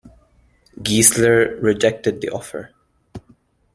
Giesler rejected the offer.